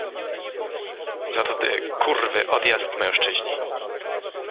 Za to ty — kurwy, odjazd, mężczyźni.